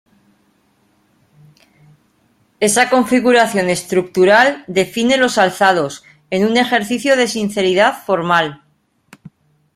Esa configuración estructural define los alzados, en un ejercicio de sinceridad formal.